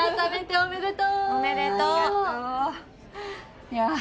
おめでとう！